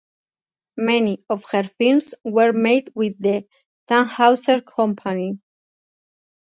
Many of her films were made with the Thanhouser Company.